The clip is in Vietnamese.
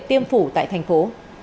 tiêm phủ tại thành phố